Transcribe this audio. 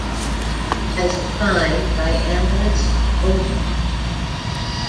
As defined by analyst Ovum.